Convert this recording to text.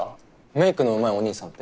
メイクのうまいお兄さんって？